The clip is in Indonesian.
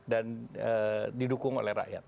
dan didukung oleh rakyat